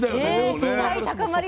期待高まります。